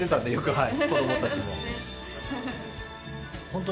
はい。